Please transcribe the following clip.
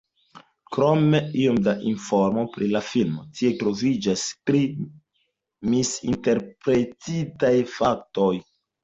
Krom iom da informo pri la filmo, tie troviĝas tri misinterpretitaj faktoj.